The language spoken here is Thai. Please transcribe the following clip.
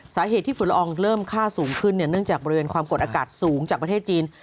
สาเหตุที่ฝุ่นละอองเริ่มค่าสูงขึ้นเนื่องจากบริเวณความกดอากาศสูงจากประเทศจีน